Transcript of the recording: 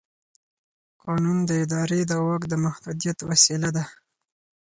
قانون د ادارې د واک د محدودیت وسیله ده.